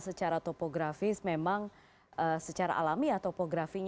selamat malam mbak putri